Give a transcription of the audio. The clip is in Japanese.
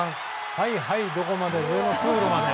はいはい、どこまで上の通路まで。